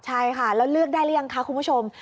ใช่ค่ะแล้วเลือกได้หรือยังคะคุณผู้ชม